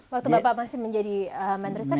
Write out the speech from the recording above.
waktu bapak masih menjadi meneristek atau